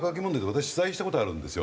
私取材した事あるんですよ。